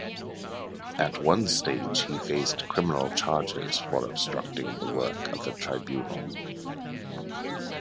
At one stage, he faced criminal charges for obstructing the work of the tribunal.